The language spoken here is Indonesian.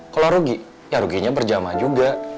kalau rugi ya ruginya berjama juga